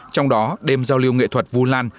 trong đó đêm giao lưu nghệ thuật vũ lan